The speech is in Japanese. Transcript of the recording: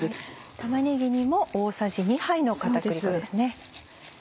玉ねぎにも大さじ２杯の片栗粉ですね。